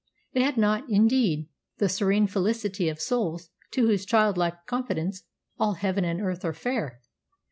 It had not, indeed, the serene felicity of souls to whose child like confidence all heaven and earth are fair.